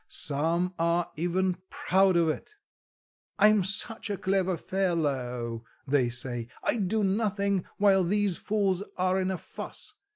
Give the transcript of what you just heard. Some are even proud of it: 'I'm such a clever fellow,' they say, 'I do nothing, while these fools are in a fuss.